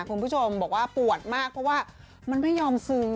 คุณผู้ชมบอกว่าปวดมากเพราะว่ามันไม่ยอมซื้อ